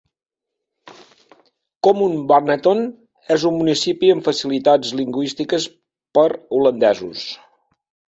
Comines-Warneton és un municipi amb facilitats lingüístiques per holandesos.